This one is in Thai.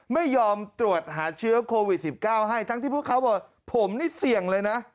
ไม่ยอมตรวจหาเชื้อโควิด๑๙ให้ทั้งที่พวกเขาบอกผมนี่เสี่ยงเลยนะ